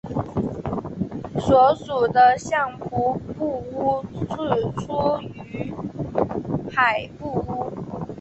所属的相扑部屋是出羽海部屋。